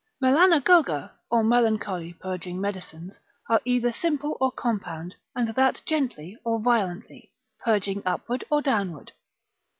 Melanagoga, or melancholy purging medicines, are either simple or compound, and that gently, or violently, purging upward or downward.